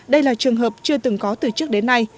đây là trường hợp chưa từng có từ trước đến nay